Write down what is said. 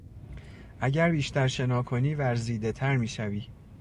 اگر بیشتر شنا کنی ورزیدهتر میشوی.